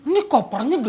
nih kopernya gede banget